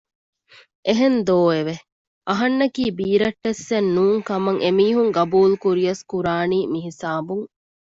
އެހެންދޯ އެވެ! އަހަންނަކީ ބީރައްޓެއްސެން ނޫން ކަމަށް އެމީހުން ގަބޫލުކުރިޔަސް ކުރާނީ މިހިސާބުން